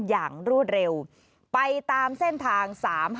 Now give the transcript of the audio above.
อย่างรวดเร็วไปตามเส้นทาง๓๕